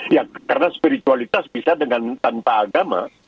ya karena spiritualitas bisa dengan tanpa agama